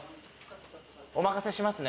お任せしますね。